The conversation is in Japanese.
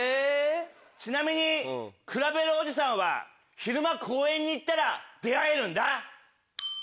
ちなみにくらベルおじさんは昼間公園に行ったら出会えるんだ。